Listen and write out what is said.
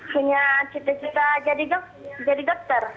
punya cita cita jadi dokter